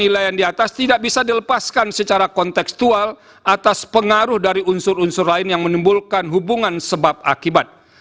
dan nilai yang diatas tidak bisa dilepaskan secara konteksual atas pengaruh dari unsur unsur lain yang menimbulkan hubungan sebab akibat